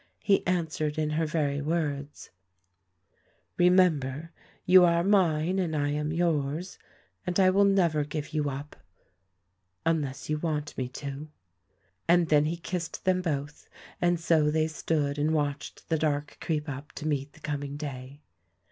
He answered in her very words: "Remember, you are mine, and I am yours, and I will never give you up — unless you want me to," and then he kissed them both ; and so they stood and watched the dark creep up to meet the coming day.